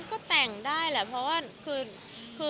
ก็บอกว่าเซอร์ไพรส์ไปค่ะ